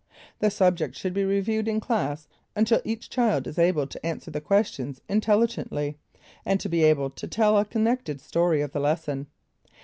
The subject should be reviewed in class until each child is able to answer the questions intelligently, and to be able to tell a connected story of the lesson.